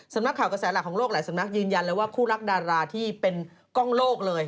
นักข่าวกระแสหลักของโลกหลายสำนักยืนยันเลยว่าคู่รักดาราที่เป็นกล้องโลกเลย